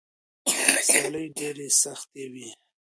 سیالۍ ډېرې سختې وي.